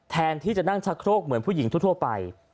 แทนที่จะนั่งชักโครกเหมือนผู้หญิงทั่วไป